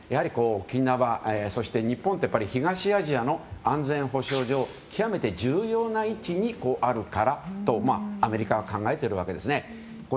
沖縄、そして日本って東アジアの安全保障上極めて重要な位置にあるからとアメリカは考えているからなんですね。